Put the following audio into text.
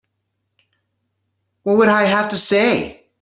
What would I have to say?